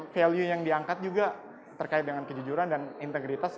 value yang diangkat juga terkait dengan kejujuran dan integritas